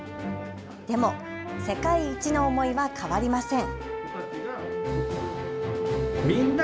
でも世界一の思いは変わりません。